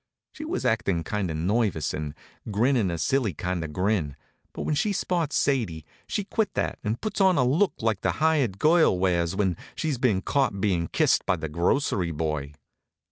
She was actin' kind of nervous, and grinnin' a silly kind of grin, but when she spots Sadie she quit that and puts on a look like the hired girl wears when she's been caught bein' kissed by the grocery boy.